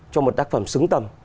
cho một tác phẩm xứng tầm